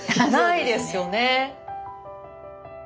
ないですよね。